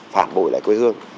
phản bồi lại quê hương